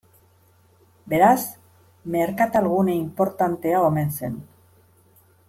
Beraz, merkatal gune inportantea omen zen.